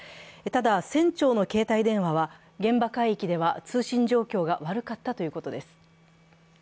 ただ船長の携帯電話は現場海域では通信状況が悪かったということです。